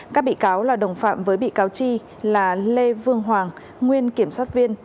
các bị cáo là đồng phạm với bị cáo chi là lê vương hoàng nguyên kiểm soát viên